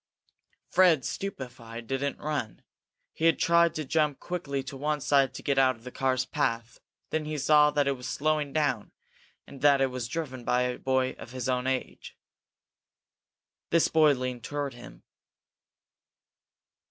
Fred, stupefied, didn't run. He had to jump quickly to one side to get out of the car's path. Then he saw that it was slowing down, and that it was driven by a boy of his own age. This boy leaned toward him.